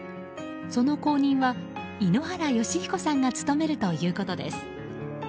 その後任は井ノ原快彦さんが務めるということです。